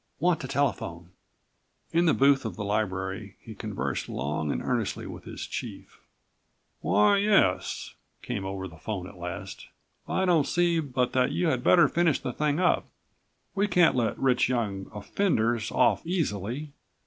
"Want to telephone." In the booth of the library he conversed long and earnestly with his chief. "Why, yes," came over the phone at last, "I don't see but that you had better finish the thing up. We can't let rich young offenders off easily.